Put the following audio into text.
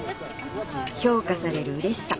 評価されるうれしさ。